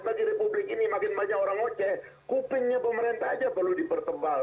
bagi republik ini makin banyak orang oce kupingnya pemerintah aja perlu dipertebal